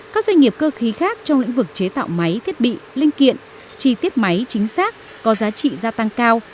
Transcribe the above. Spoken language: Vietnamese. các doanh nghiệp cơ khí khác trong lĩnh vực chế tạo máy thiết bị linh kiện chi tiết máy chính xác có giá trị gia tăng cao